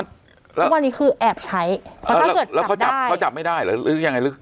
ทุกวันนี้คือแอบใช้เพราะถ้าเกิดแล้วเขาจับเขาจับไม่ได้หรือยังไงหรือ